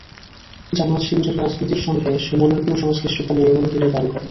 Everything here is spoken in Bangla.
জামায়াত-শিবিরের রাজনীতির সঙ্গে সুমনের কোনো সংশ্লিষ্টতা নেই বলে তিনি দাবি করেন।